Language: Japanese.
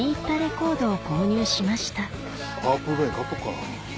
各自『パープル・レイン』買っとくかな。